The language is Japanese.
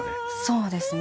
そうですね。